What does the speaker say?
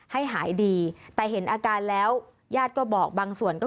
ให้หายดีแต่เห็นอาการแล้วญาติก็บอกบางส่วนก็